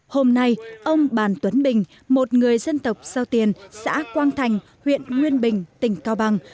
hôm nay ông bàn tuấn bình một người dân tộc giao tiền xã quang thành huyện nguyên bình tỉnh cao bằng